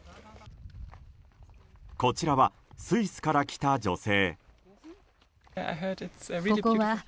こちらはスイスから来た女性。